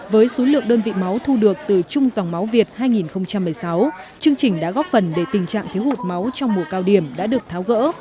với số lượng đơn vị máu thu được từ chung dòng máu việt hai nghìn một mươi sáu chương trình đã góp phần để tình trạng thiếu hụt máu trong mùa cao điểm đã được tháo gỡ